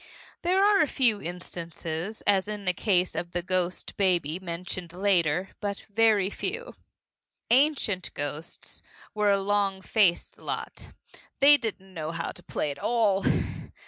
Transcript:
There are a few instances, as in the case of the ghost baby mentioned later, but very few. Ancient ghosts were a long faced lot. They didn't know how to play at all.